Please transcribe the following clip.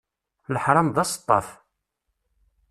Leḥṛam d aseṭṭaf.